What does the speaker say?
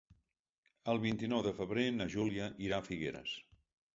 El vint-i-nou de febrer na Júlia irà a Figueres.